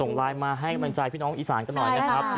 ส่งไลน์มาให้กำลังใจพี่น้องอีสานกันหน่อยนะครับ